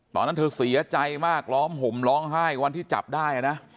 ตอนนั้นเธอเสียใจมากร้องห่มร้องไห้วันที่จับได้นะ